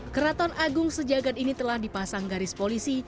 keraton agung sejagat ini telah dipasang garis polisi